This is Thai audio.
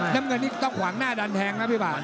น้ำเงินนี่ต้องขวางหน้าดันแทงนะพี่บาท